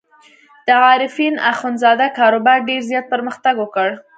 د عارفین اخندزاده کاروبار ډېر زیات پرمختګ وکړ.